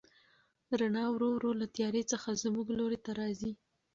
رڼا ورو ورو له تیارې څخه زموږ لوري ته راځي.